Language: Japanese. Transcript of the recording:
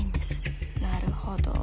なるほど。